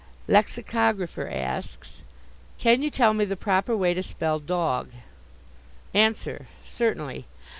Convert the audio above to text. Lexicographer asks: Can you tell me the proper way to spell "dog"? Answer: Certainly.